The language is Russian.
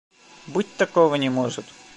Быть такого не может!